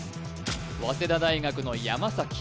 早稲田大学の山